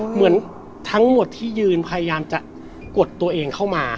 เหมือนทั้งหมดที่ยืนพยายามจะกดตัวเองเข้ามา